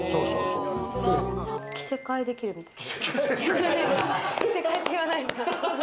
着せ替えできるみたいな。